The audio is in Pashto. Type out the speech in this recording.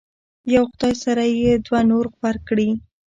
د یو خدای سره یې دوه نور غبرګ کړي.